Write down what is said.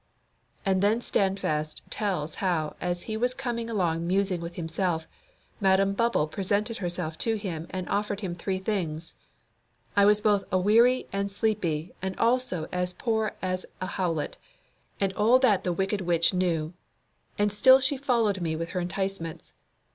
And then Standfast tells how as he was coming along musing with himself, Madam Bubble presented herself to him and offered him three things. "I was both aweary and sleepy and also as poor as a howlet, and all that the wicked witch knew. And still she followed me with her enticements.